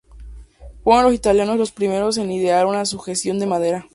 Fueron los italianos los primeros en idear una sujeción de madera.